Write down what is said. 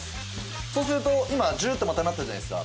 そうすると今ジューッとまたなったじゃないですか。